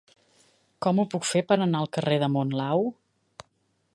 Com ho puc fer per anar al carrer de Monlau?